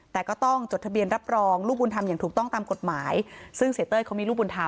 แต่ก็ต้องจดทะเบียนรับรองลูกบุญธรรมอย่างถูกต้องตามกฎหมายซึ่งเสียเต้ยเขามีลูกบุญธรรม